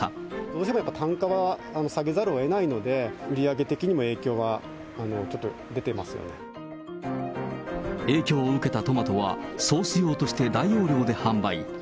どうしてもやっぱり、単価は下げざるをえないので、売り上げ的にも影響は、ちょっと出影響を受けたトマトは、ソース用として大容量で販売。